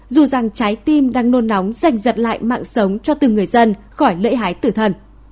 dù rằng trái tim đang nôn nóng dành giật lại mạng sống cho từng người dân khỏi lễ hái tử thần